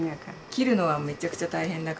切るのはめちゃくちゃ大変だから。